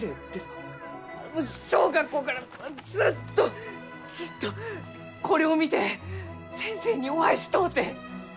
わし小学校からずっとずっとこれを見て先生にお会いしとうて！